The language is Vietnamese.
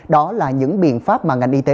đó là những biện pháp mà ngành y tế